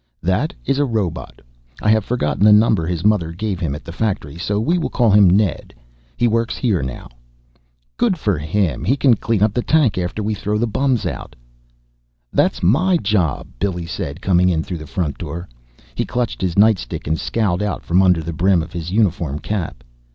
"That is a robot. I have forgotten the number his mother gave him at the factory so we will call him Ned. He works here now." "Good for him! He can clean up the tank after we throw the bums out." "That's my job," Billy said coming in through the front door. He clutched his nightstick and scowled out from under the brim of his uniform cap.